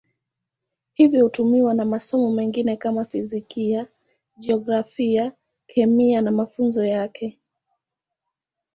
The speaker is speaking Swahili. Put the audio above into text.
Hivyo hutumiwa na masomo mengine kama Fizikia, Jiografia, Kemia katika mafunzo yake.